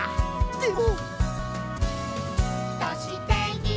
でも。